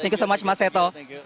terima kasih banyak mas seto